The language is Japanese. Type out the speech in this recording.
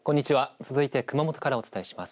続いて熊本からお伝えします。